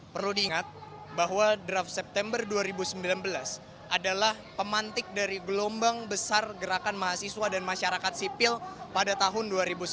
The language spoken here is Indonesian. perlu diingat bahwa draft september dua ribu sembilan belas adalah pemantik dari gelombang besar gerakan mahasiswa dan masyarakat sipil pada tahun dua ribu sembilan belas